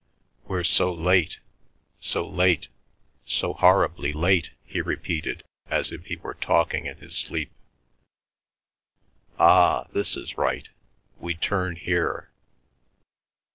"We're so late—so late—so horribly late," he repeated as if he were talking in his sleep. "Ah—this is right. We turn here."